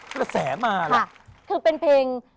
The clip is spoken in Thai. แฟนเก่ายู่นอกระเบียง